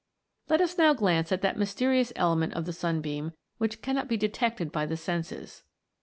Let us now glance at that mysterious element of the sunbeam which cannot be detected by the senses.